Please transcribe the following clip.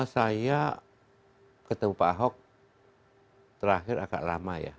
saya ketemu pak ahok terakhir agak lama ya